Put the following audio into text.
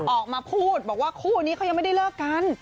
ออกมาพูดบอกว่าคู่นี้เขายังไม่ได้เลิกกัน